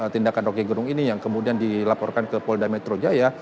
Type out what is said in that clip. tindakan roky gerung ini yang kemudian dilaporkan ke polda metro jaya